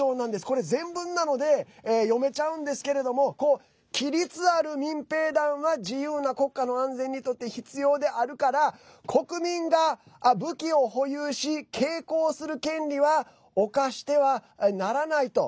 これ、全文なので読めちゃうんですけれども規律ある民兵団は自由な国家の安全にとって必要であるから国民が武器を保有し携行する権利は侵してはならないと。